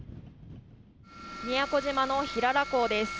宮古島の平良港です。